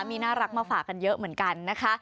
มีน่ารักมาฝากกันเยอะเหมือนกันนะคะ